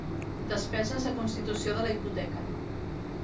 Despeses de constitució de la hipoteca.